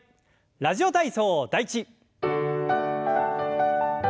「ラジオ体操第１」。